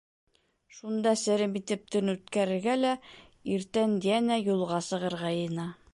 Шунда серем итеп төн үткәрергә лә иртән йәнә юлға сығырға йыйына.